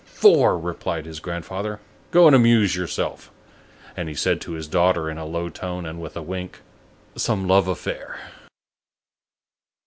"Four!" replied his grandfather. "Go and amuse yourself." And he said to his daughter in a low tone, and with a wink, "Some love affair!"